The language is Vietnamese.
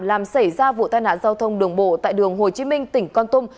làm xảy ra vụ tai nạn giao thông đường bộ tại đường hồ chí minh tỉnh con tum